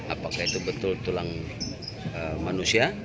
apakah itu betul tulang manusia